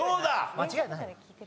間違いない。